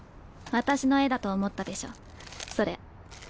私の絵だと思ったでしょそれ。